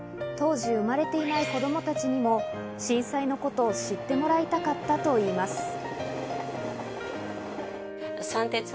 当時、生まれていない子供たちにも震災のことを知ってもらいたかったといいます。